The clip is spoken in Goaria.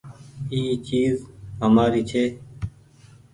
اي چيز همآري ڇي۔